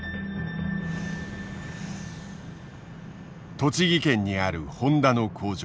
栃木県にあるホンダの工場。